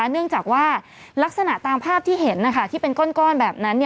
เนื่องจากว่าลักษณะตามภาพที่เห็นที่เป็นก้อนแบบนั้น